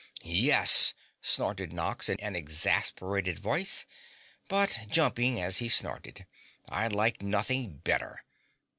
"Yes!" snorted Nox in an exasperated voice, but jumping as he snorted. "I'd like nothing better."